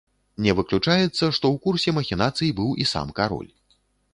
Не выключаецца, што ў курсе махінацый быў і сам кароль.